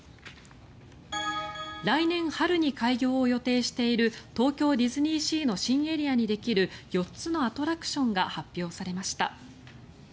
来年春に開業を予定している東京ディズニーシーの新エリアにできる４つのアトラクションが発表されました。